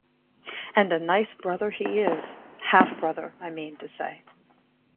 And a nice brother he is — half-brother I mean to say.